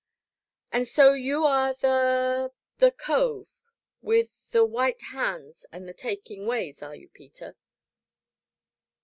"And so you are the the cove with the white hands and the taking ways, are you, Peter?"